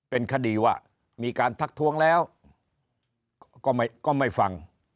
เป็นคดีว่ามีการทักท้วงแล้วก็ไม่ฟัง